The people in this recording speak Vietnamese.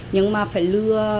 nhưng mà phải lừa